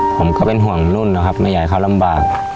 ผมก็เป็นห่วงรุ่นนะครับไม่อยากให้เขาลำบาก